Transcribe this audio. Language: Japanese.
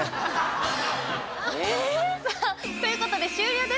さあ、ということで終了です。